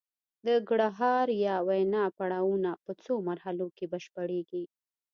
د ګړهار یا وینا پړاوونه په څو مرحلو کې بشپړیږي